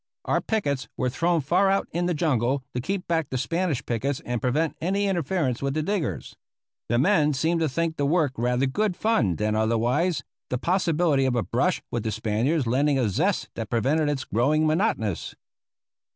Our pickets were thrown far out in the jungle, to keep back the Spanish pickets and prevent any interference with the diggers. The men seemed to think the work rather good fun than otherwise, the possibility of a brush with the Spaniards lending a zest that prevented its growing monotonous.